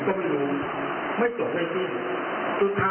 ก็ยังไม่รู้ว่ามันจะยังไม่รู้ว่า